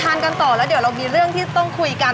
กันต่อแล้วเดี๋ยวเรามีเรื่องที่ต้องคุยกัน